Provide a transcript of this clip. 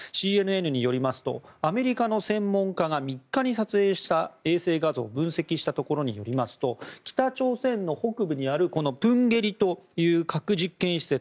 ＣＮＮによりますとアメリカの専門家が３日に撮影した衛星画像を分析したところによりますと北朝鮮の北部のプンゲリという場所にある核実験施設